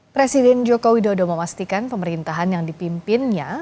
presiden jokowi dodo memastikan pemerintahan yang dipimpinnya